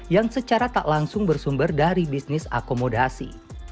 yang secara tak langsung bersumber dari bisnis akomodasi